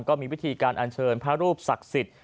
ก็มีวิธีการอัญเชิญพระรูปศักดิ์สิทธิ์